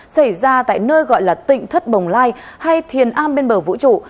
xảy ra tại nơi gọi là tỉnh thất bồng lai hay thiền am bên bờ vũ trụ